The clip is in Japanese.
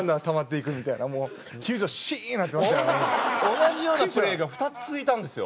同じようなプレーが２つ続いたんですよ。